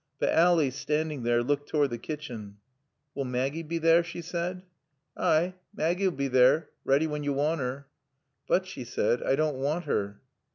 But Ally, standing there, looked toward the kitchen. "Will Maggie be there?" she said. "Ay, Maaggie'll be there, ready when yo want her." "But," she said, "I don't want her."